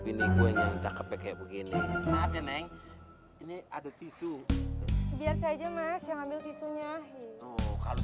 ini gue yang tak kepek kayak begini ini ada tisu biar saja mas yang ambil tisunya kalau